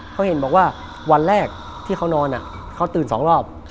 เขาเห็นบอกว่าวันแรกที่เขานอนเขาตื่น๒รอบ